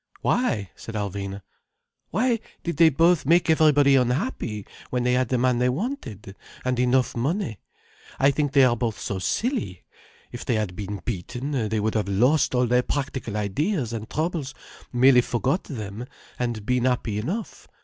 "Why?" said Alvina. "Why did they both make everybody unhappy, when they had the man they wanted, and enough money? I think they are both so silly. If they had been beaten, they would have lost all their practical ideas and troubles, merely forgot them, and been happy enough.